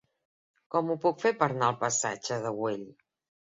Com ho puc fer per anar al passatge de Güell?